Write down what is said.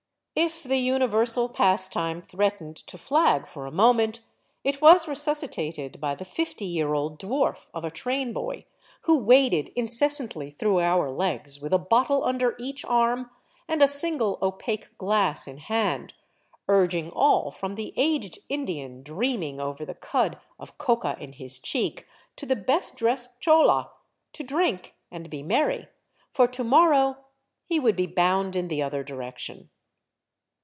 If the universal pastime threatened to flag for a moment, it was resusci tated by the fifty year old dwarf of a trainboy, who waded incessantly through our legs with a bottle under each arm and a single opaque glass in hand, urging all, from the aged Indian dreaming over the cud of coca in his cheek to the best dressed chola, to drink and be merry, for to morrow — he would be bound in the other direction.